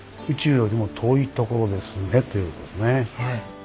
宇宙よりも遠いところですね」ということですね。